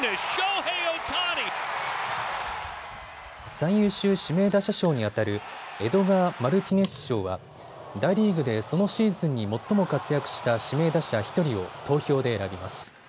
最優秀指名打者賞にあたるエドガー・マルティネス賞は大リーグでそのシーズンに最も活躍した指名打者１人を投票で選びます。